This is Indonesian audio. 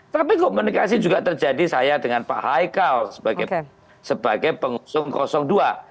tapi komunikasi juga terjadi saya dengan pak haikal sebagai pengusung dua